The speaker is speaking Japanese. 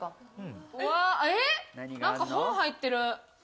なんか本、入ってる。